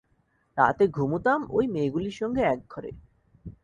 রাতে ঘুমুতাম ঐ মেয়েগুলির সঙ্গে এক ঘরে।